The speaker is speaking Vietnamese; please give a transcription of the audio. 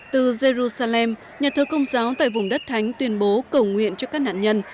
từ jerusalem nhà thơ công giáo tại vùng đất thánh tuyên bố cầu nguyện cho các nạn nhân